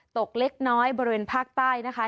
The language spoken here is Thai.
เล็กน้อยบริเวณภาคใต้นะคะ